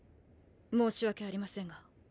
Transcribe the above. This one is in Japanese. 申し訳ありませんが。